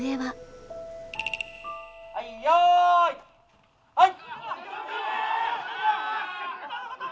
はいよいはい！